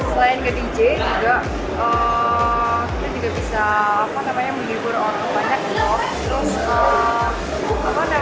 selain ke dj juga kita juga bisa menghibur orang banyak